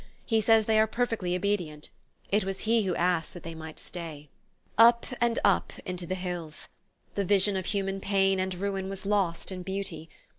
He says they are perfectly obedient. It was he who asked that they might stay..." Up and up into the hills. The vision of human pain and ruin was lost in beauty.